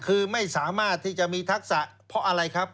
คือไม่สามารถที่จะมีทักษะเพราะอะไรครับ